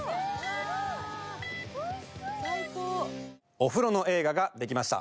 お風呂の映画が出来ました。